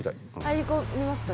入り込みますか？